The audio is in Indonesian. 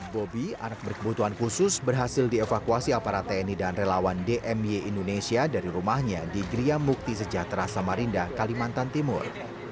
bobi anak berkebutuhan khusus berhasil dievakuasi aparat tni dan relawan dmy indonesia dari rumahnya di gria mukti sejahtera samarinda kalimantan timur